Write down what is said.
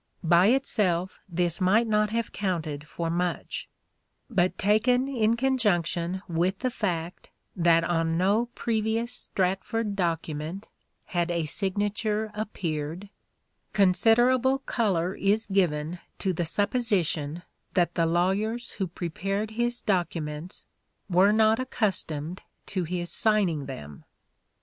By itself this might not have counted for much ; but, taken in conjunction with the fact that on no previous Stratford document had a signature appeared, considerable colour is given to the supposition that the lawyers who prepared his documents were not accustomed to his signing them.